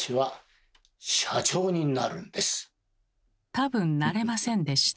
多分なれませんでした。